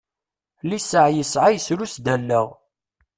Lisseɛ yesɛa yesrus-d allaɣ.